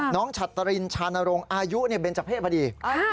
น้องจัตติรินชาณาโรงอายุเป็นจะเผ็ดพะดี